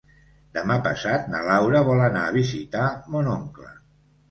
Demà passat na Laura vol anar a visitar mon oncle.